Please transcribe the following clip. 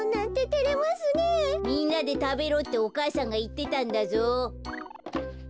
みんなでたべろってお母さんがいってたんだぞ。